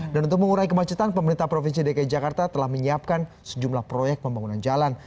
dan untuk mengurai kemacetan pemerintah provinsi dki jakarta telah menyiapkan sejumlah proyek pembangunan jalan